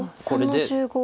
黒３の十五。